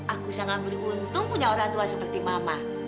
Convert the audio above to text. aku sangat beruntung punya orang tua seperti mama